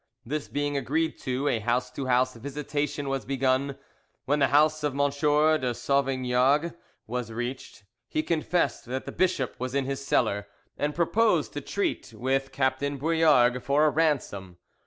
This being agreed to, a house to house visitation was begun: when the house of M. de Sauvignargues was reached, he confessed that the bishop was in his cellar, and proposed to treat with Captain Bouillargues for a ransom.